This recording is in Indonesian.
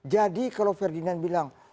jadi kalau ferdinand bilang